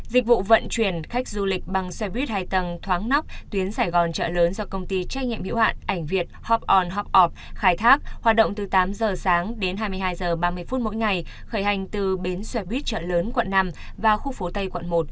dịch vụ vận chuyển khách du lịch bằng xe buýt hai tầng thoáng nóc tuyến sài gòn trợ lớn do công ty trách nhiệm hiệu hạn ảnh việt hop on hop of khai thác hoạt động từ tám giờ sáng đến hai mươi hai h ba mươi phút mỗi ngày khởi hành từ bến xe buýt chợ lớn quận năm và khu phố tây quận một